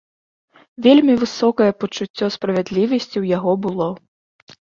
Вельмі высокае пачуццё справядлівасці ў яго было.